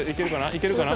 いけるかな？